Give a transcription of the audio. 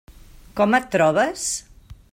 Com et trobes?